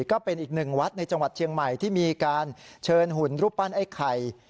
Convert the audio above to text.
ก็เป็นอีกหนึ่งวัดในจังหวัดเชียงใหม่ที่มีการเชิญหุ่นรูปปั้นไอ้ไข่